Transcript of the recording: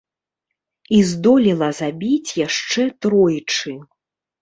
І здолела забіць яшчэ тройчы!